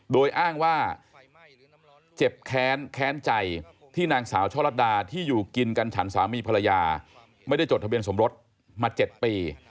โดยอ้างว่าเจ็บแค้นแค้นใจที่นางสาวช่อลัดดาที่อยู่กินกันฉันสามีภรรยาไม่ได้จดทะเบียนสมรสมา๗ปี